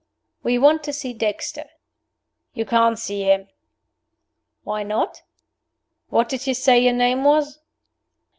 "We want to see Dexter." "You can't see him." "Why not?" "What did you say your name was?"